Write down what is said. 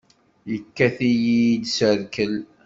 Yekkat-iyi-d s rrkel!